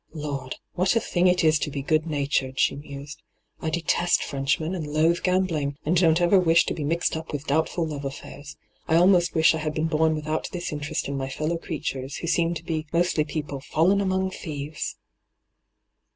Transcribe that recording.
' Lord I what a thing it is to be good natured r she mused. ' I detest Frenchmen and loathe gambling, and don't ever wish to be mixed up with doubtful love affairs. I almost wish I had been bom without this interest in my fellow creatures, who seem to be mostly people " fallen amoi^ thieves